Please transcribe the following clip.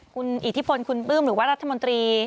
คุณอิทธิพลคุณปลื้มหรือว่ารัฐมนตรี